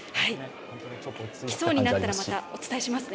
来そうになったら、またお伝えしますね。